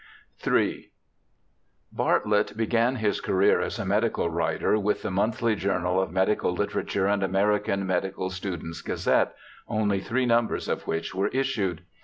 ELISHA BARTLETT 127 III Bartlett began his career as a medical writer with the Monthly Journal of Medical Literature and American Medical Students' Gazette, only three numbers of which were issued.